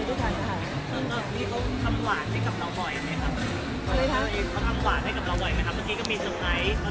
พี่ก็ทำหวานให้กับเราบ่อยไหมครับเมื่อกี้ก็มีดอกไม้